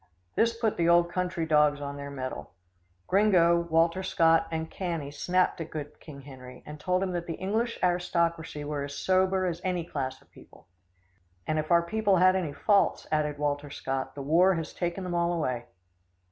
This put the old country dogs on their mettle. Gringo, Walter Scott, and Cannie snapped at good King Harry, and told him that the English aristocracy were as sober as any class of people. "And if our people had any faults," added Walter Scott, "the war has taken them all away."